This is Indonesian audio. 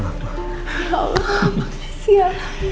ya allah makasih ya